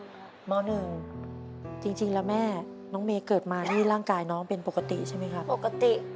แค่ที่แขนคือหลังเหลืองน้องก็เป็นปกติเหมือนเด็กคนอื่นครับอเรนนี่แค่ที่แขนคือหลังเหลืองน้องก็เป็นปกติเหมือนเด็กคนอื่นครับ